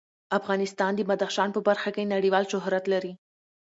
افغانستان د بدخشان په برخه کې نړیوال شهرت لري.